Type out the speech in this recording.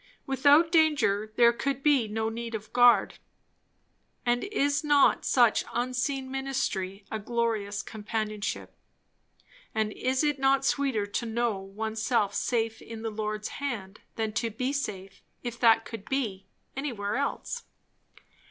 Without danger there could be no need of guard; and is not such unseen ministry a glorious companionship? and is it not sweeter to know oneself safe in the Lord's hand, than to be safe, if that could be, anywhere else?